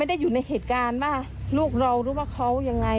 ไม่ได้อยู่ในเหตุการณ์ว่าลูกอ่านว่าเขายังไง